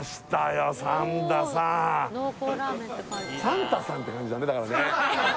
サンタさんって感じだねだからね